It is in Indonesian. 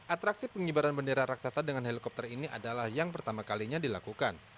atraksi pengibaran bendera raksasa dengan helikopter ini adalah yang pertama kalinya dilakukan